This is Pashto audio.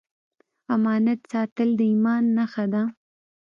امانت ساتل د ایمان نښه ده.